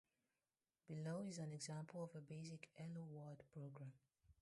Below is an example of a basic hello world program.